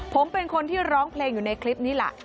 ผมเป็นคนที่ร้องเพลงอยู่ในคลิปนี้ล่ะ